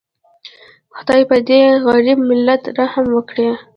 خدایه پدې غریب ملت رحم وکړي